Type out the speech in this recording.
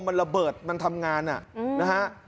มันระเบิดมันทำงานนะฮะ